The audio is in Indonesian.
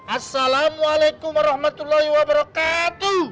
assalamualaikum warahmatullahi wabarakatuh